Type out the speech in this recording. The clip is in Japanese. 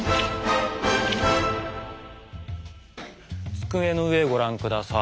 机の上ご覧下さい。